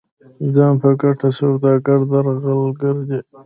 ځان په ګټه سوداګر درغلګر دي.